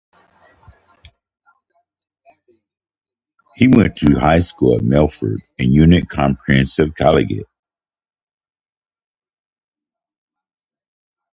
He went to high school at Melfort and Unit Comprehensive Collegiate.